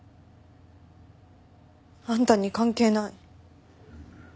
あんたに関係ない。